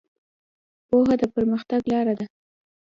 پوهه د پرمختګ لاره ده.